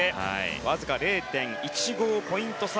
わずか０．１５ポイント差。